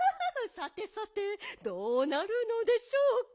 「さてさてどうなるのでしょうか」